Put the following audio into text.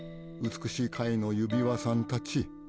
美しい貝の指輪さんたち！